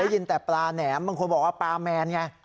กินแต่ปลาแหนมบางคนบอกว่าปลาแมนไง